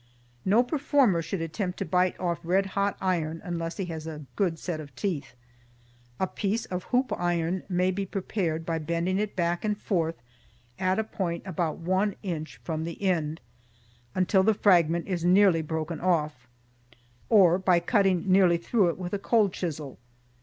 No performer should attempt to bite off red hot iron unless he has a good set of teeth. A piece of hoop iron may be prepared by bending it back and forth at a point about one inch from the end, until the fragment is nearly broken off, or by cutting nearly through it with a cold chisel.